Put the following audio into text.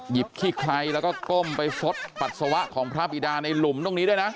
ขี้ไคร้แล้วก็ก้มไปซดปัสสาวะของพระบิดาในหลุมตรงนี้ด้วยนะ